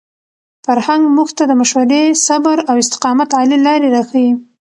فرهنګ موږ ته د مشورې، صبر او استقامت عالي لارې راښيي.